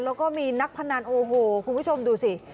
แล้วก็มีนักพนันโอ้โหคุณผู้ชมดูสิ